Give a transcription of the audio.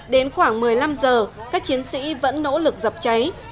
đến khoảng một mươi năm giờ các chiến sĩ vẫn nỗ lực dập cháy